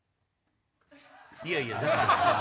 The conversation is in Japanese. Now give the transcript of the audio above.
いやいや。